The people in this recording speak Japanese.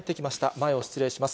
前を失礼します。